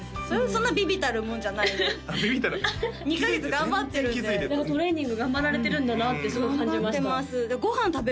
そんな微々たるもんじゃないんであっ微々たる２カ月頑張ってるんでトレーニング頑張られてるんだなってすごい感じました頑張ってます